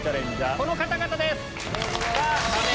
この方々です！